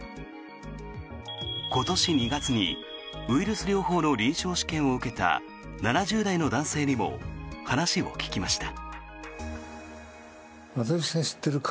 今年２月にウイルス療法の臨床試験を受けた７０代の男性にも話を聞きました。